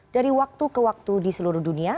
dari waktu ke waktu di seluruh dunia